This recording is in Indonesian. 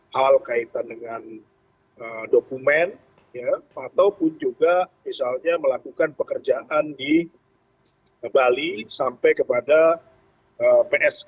hal kaitan dengan dokumen ataupun juga misalnya melakukan pekerjaan di bali sampai kepada psk